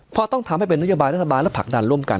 เพราะต้องทำให้เป็นนโยบายรัฐบาลและผลักดันร่วมกัน